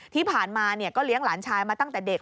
ที่ผ่านมาก็เลี้ยงหลานชายมาตั้งแต่เด็ก